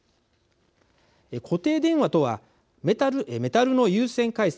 固定電話とはメタルの有線回線